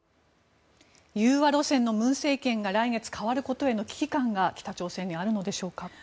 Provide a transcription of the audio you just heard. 融和路線の文政権が来月代わることへの危機感が北朝鮮にあるのでしょうか。